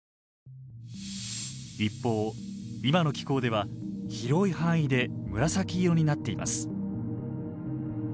一方今の気候では広い範囲で紫色になっています。